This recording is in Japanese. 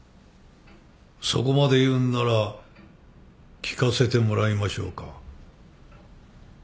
そこまで言うんなら聞かせてもらいましょうか。